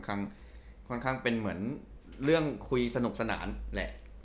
ค่อนข้างเป็นเหมือนเรื่องคุยสนุกสนานแหละ